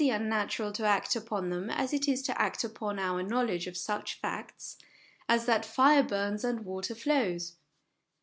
and natural to act upon them as it is to act upon our knowledge of such facts as that fire burns and water flows.